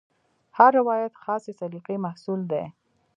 هر روایت خاصې سلیقې محصول دی.